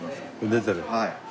出てる。